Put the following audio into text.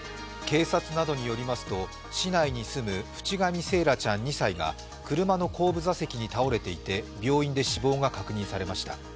警察などによりますと市内に住む渕上惺愛ちゃん２歳が車の後部座席に倒れていて病院で死亡が確認されました。